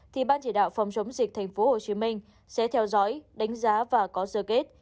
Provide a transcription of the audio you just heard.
thì bán chỉ đạo phòng chống dịch tp hcm sẽ theo dõi đánh giá và có dơ kết